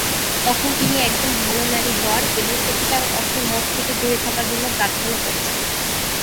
তখন তিনি একজন ভাল নারী হওয়ার এবং সত্যিকার অর্থে মদ থেকে দুরে থাকার জন্য প্রার্থনা করেছিলেন।